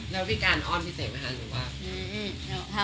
แล้วพี่การอ้อนพี่เศษไม่หาจริงหรือเปล่า